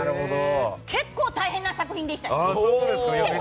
結構大変な作品でしたよ。